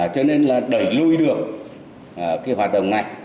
cho nên là đẩy lùi được cái hoạt động này